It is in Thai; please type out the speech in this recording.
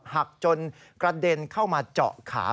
หักจนกระเด็นเข้ามาเจาะขา